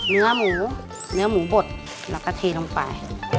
เนื้อหมูเนื้อหมูบดแล้วก็เทลงไป